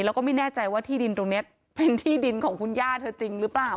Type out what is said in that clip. แล้วก็ไม่แน่ใจว่าที่ดินตรงนี้เป็นที่ดินของคุณย่าเธอจริงหรือเปล่า